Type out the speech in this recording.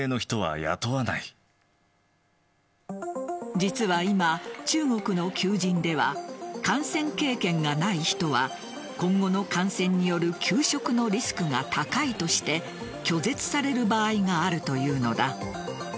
実は今、中国の求人では感染経験がない人は今後の感染による休職のリスクが高いとして拒絶される場合があるというのだ。